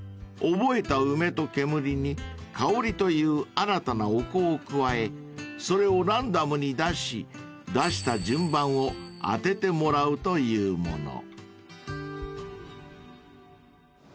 ［覚えた梅と烟に香という新たなお香を加えそれをランダムに出し出した順番を当ててもらうというもの］